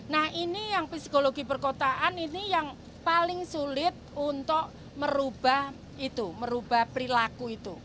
nah ini yang psikologi perkotaan ini yang paling sulit untuk merubah itu merubah perilaku itu